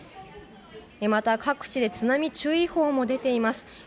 また、各地で津波注意報も出ています。